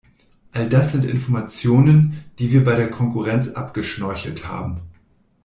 All das sind Informationen, die wir bei der Konkurrenz abgeschnorchelt haben.